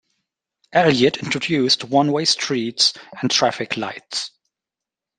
Elliott introduced one-way streets and traffic lights.